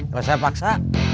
kalau saya paksa